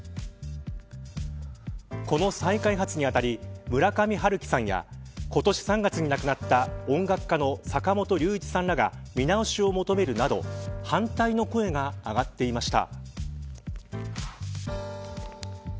この再開発に当たり村上春樹さんや今年３月に亡くなった音楽家の坂本龍一さんらが見直しを求めるなど反対の声が上がっていました。